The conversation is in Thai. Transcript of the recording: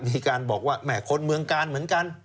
มีการบอกว่าแหม่คนเมืองกาลเหมือนกัน